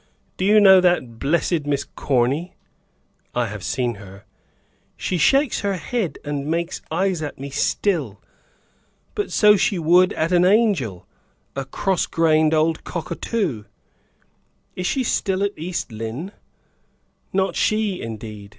Do you know that blessed Miss Corny?" "I have seen her." "She shakes her head and makes eyes at me still. But so she would at an angel; a cross grained old cockatoo!" "Is she still at East Lynne?" "Not she, indeed.